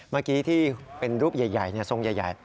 เมื่อกี้ที่เป็นรูปใหญ่ทรงใหญ่